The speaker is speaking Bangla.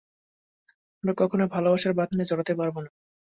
আমরা কখনও ভালোবাসার বাঁধনে জড়াতে পারব না!